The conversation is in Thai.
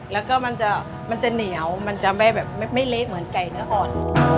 แล้วก็มันจะเหนียวมันจะไม่แบบไม่เละเหมือนไก่เนื้ออ่อน